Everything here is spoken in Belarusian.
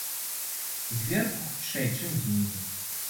Зверху хутчэй, чым знізу.